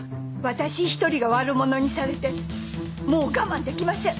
「私一人が悪者にされてもう我慢できません。